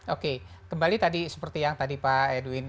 oke kembali tadi seperti yang tadi pak edwin